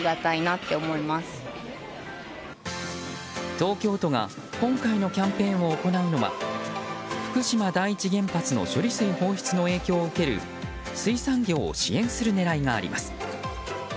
東京都が今回のキャンペーンを行うのは福島第一原発の処理水放出の影響を受ける水産業を支援する狙いがあります。